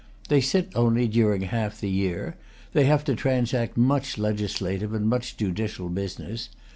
They sit only during half the year. They have to transact much legislative and much judicial business.